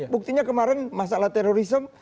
buktinya kemarin masalah terorisme